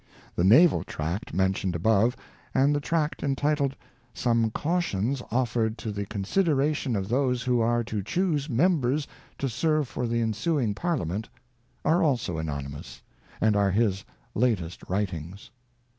The naval tract mentioned above, and the tract entitled Some Cautions Offered to the Con sideration of Those who are to Chuse Members to Serve for the Ensuing Parliament, are also anonymous, and are his latest writings.